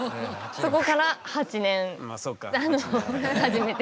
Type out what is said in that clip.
そこから８年初めて。